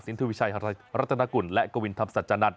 สินทรวิชัยรัฐนกุลและกวินทรัพย์สัจจนัด